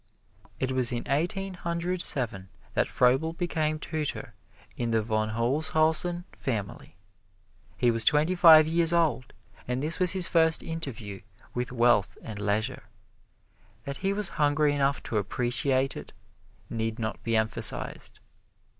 It was in Eighteen Hundred Seven that Froebel became tutor in the Von Holzhausen family. He was twenty five years old, and this was his first interview with wealth and leisure. That he was hungry enough to appreciate it need not be emphasized.